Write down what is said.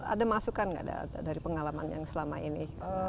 ada masukan nggak dari pengalaman yang selama ini